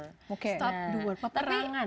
stop the war peperangan ya